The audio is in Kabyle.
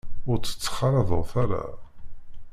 Ur tt-ttxalaḍet ara.